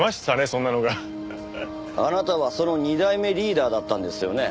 そんなのが。あなたはその２代目リーダーだったんですよね。